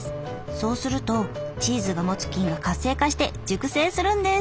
そうするとチーズが持つ菌が活性化して熟成するんです。